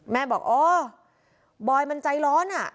แม่บอกอ๋อบอยมันใจร้อนอ่ะ